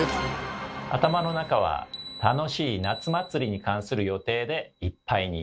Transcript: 頭の中は楽しい夏祭りに関する予定でいっぱいに。